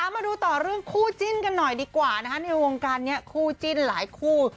มาดูต่อเรื่องคู่จิ้นกันหน่อยดีกว่าในวงการนี้คู่จิ้นหลายคู่